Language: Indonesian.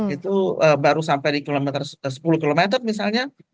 itu baru sampai di kilometer sepuluh km misalnya